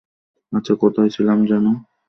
আচ্ছা, কোথায় ছিলাম যেন?